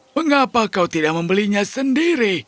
mengapa kau tidak membelinya sendiri